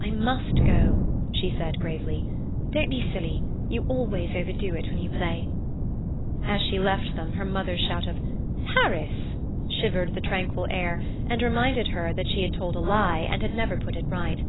"I must go," she said gravely. "Don't be silly. You always overdo it when you play." As she left them her mother's shout of "Harris!" shivered the tranquil air, and reminded her that she had told a lie and had never put it right.